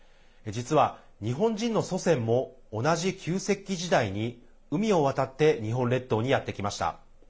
実は日本人の祖先も同じ旧石器時代に海を渡って日本列島にやってきました。